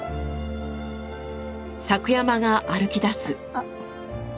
あっ。